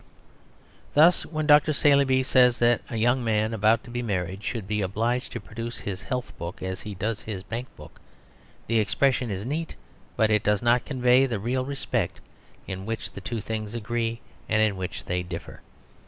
Thus when Dr. Saleeby says that a young man about to be married should be obliged to produce his health book as he does his bank book, the expression is neat; but it does not convey the real respects in which the two things agree, and in which they differ.